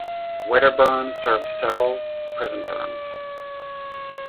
Wedderburn served several prison terms.